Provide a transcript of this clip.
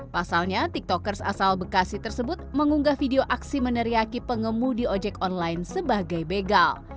pasalnya tiktokers asal bekasi tersebut mengunggah video aksi meneriaki pengemu di ojek online sebagai begal